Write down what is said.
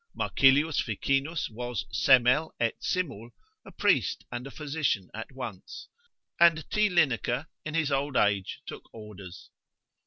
Marcilius Ficinus was semel et simul; a priest and a physician at once, and T. Linacer in his old age took orders.